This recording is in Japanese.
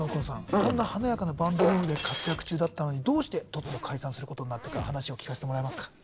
そんな華やかなバンドブームで活躍中だったのにどうして突如解散することになったか話を聞かせてもらえますか？